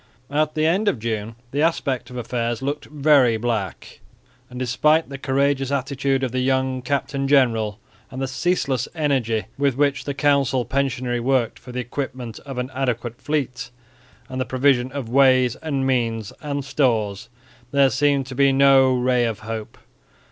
At the end of June the aspect of affairs looked very black, and despite the courageous attitude of the young captain general, and the ceaseless energy with which the council pensionary worked for the equipment of an adequate fleet, and the provision of ways and means and stores, there seemed to be no ray of hope.